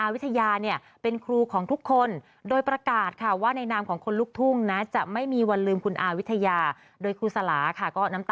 ไว้บนสถานีวิทยุเอฟเอ็ม